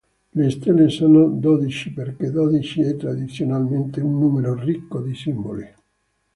Le stelle sono dodici perché dodici è tradizionalmente un numero ricco di simboli.